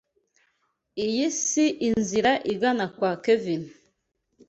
Iyi si inzira igana kwa Kevin.